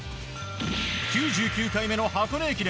９９回目の箱根駅伝。